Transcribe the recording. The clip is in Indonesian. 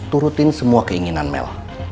turutin semua keinginan mel